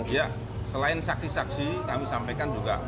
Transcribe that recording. ya selain saksi saksi kami sampaikan juga